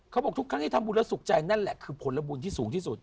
เขาบอกทุกครั้งที่ทำบุญแล้วสุขใจนั่นแหละคือผลบุญที่สูงที่สุด